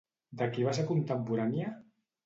De qui va ser contemporània?